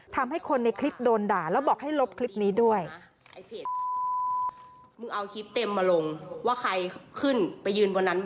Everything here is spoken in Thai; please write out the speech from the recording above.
ทำให้คนในคลิปโดนด่าแล้วบอกให้ลบคลิปนี้ด้วย